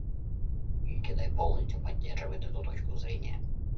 И Китай полностью поддерживает эту точку зрения.